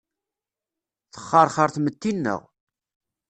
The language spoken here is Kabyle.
Texxerxer tmetti-nneɣ.